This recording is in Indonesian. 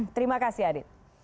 terima kasih adit